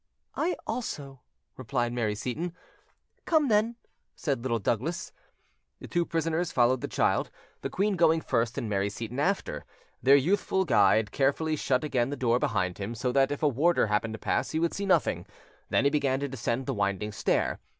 "I also," replied Mary Seyton. "Come, then," said Little Douglas. The two prisoners followed the child; the queen going first, and Mary Seyton after. Their youthful guide carefully shut again the door behind him, so that if a warder happened to pass he would see nothing; then he began to descend the winding stair.